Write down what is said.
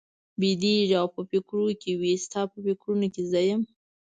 بېدېږي او په فکرونو کې وي، ستا په فکرونو کې زه یم؟